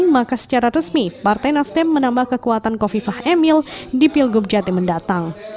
maka secara resmi partai nasdem menambah kekuatan kofifah emil di pilgub jatim mendatang